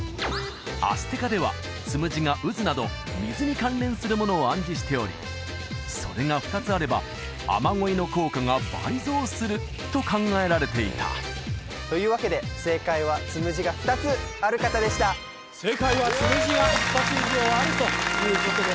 アステカではつむじが渦など水に関連するものを暗示しておりそれが２つあれば雨乞いの効果が倍増すると考えられていたというわけで正解は「つむじが２つある方」でした正解は「つむじが２つ以上ある」ということです